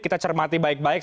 kita cermati baik baik